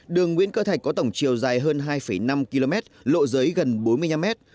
đường nguyễn cơ thạch có tổng chiều dài hơn hai năm km lộ dưới gần bốn mươi năm mét